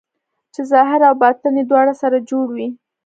چې ظاهر او باطن یې دواړه سره جوړ وي.